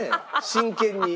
真剣に。